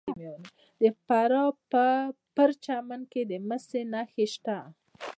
د فراه په پرچمن کې د مسو نښې شته.